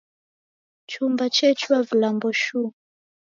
Chumba chechua vilambo shuu